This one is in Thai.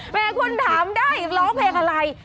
แม่คุณถามได้ร้องเพลงอะไร